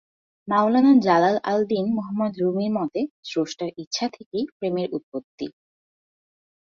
মাওলানা Jalal al Din Muhammad রুমির মতে স্রষ্টার ইচ্ছা থেকেই প্রেমের উৎপত্তি।